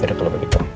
gak ada kalo begitu